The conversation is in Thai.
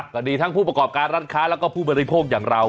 ก็ดีทั้งผู้ประกอบการร้านค้าแล้วก็ผู้บริโภคอย่างเรา